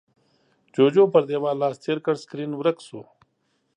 جُوجُو پر دېوال لاس تېر کړ، سکرين ورک شو.